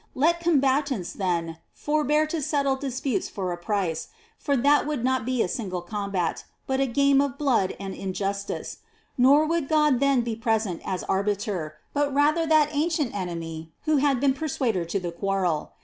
Let combatants, then, forbear to settle disputes for a price, for that would not be a single combat, but a game of blood and injustice ; nor would God then be present as arbiter, but rather that ancient enemy who had been persuader to the quarrel.